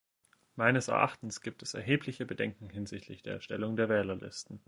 Meines Erachtens gibt es erhebliche Bedenken hinsichtlich der Erstellung der Wählerlisten.